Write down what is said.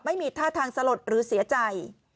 ไม่มีท่าทางสลดหรือเสียใจ